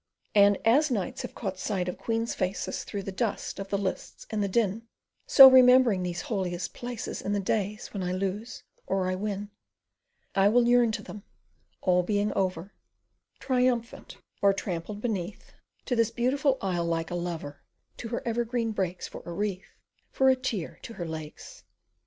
And as knights have caught sight of queens' faces Through the dust of the lists and the din, So, remembering these holiest places In the days when I lose or I win, I will yearn to them, all being over, Triumphant or trampled beneath, To this beautiful isle like a lover, To her evergreen brakes for a wreath, For a tear to her lakes.